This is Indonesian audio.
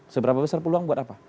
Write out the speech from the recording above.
seberapa besar peluang buat apa